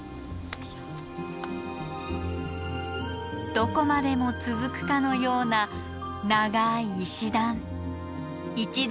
どこまでも続くかのような長い石段。